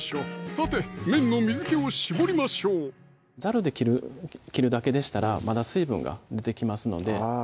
さて麺の水気を絞りましょうざるで切るだけでしたらまだ水分が出てきますのであ